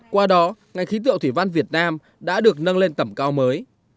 qua đó ngành khí tượng thủy văn việt nam đã được nâng lên tầm cao mới